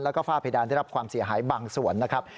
แล้วก็ฝ้าเพดานได้รับความเสียหายบางส่วนนะครับ